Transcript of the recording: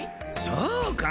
そうか！